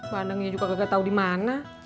bandengnya juga gak tau di mana